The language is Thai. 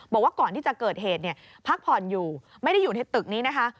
บอกว่าก่อนที่จะเกิดเหตุพักผ่อนอยู่ไม่ได้อยู่ในตึกนี้นะคะ